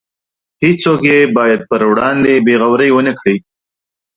هیڅوک یې باید پر وړاندې بې غورۍ ونکړي.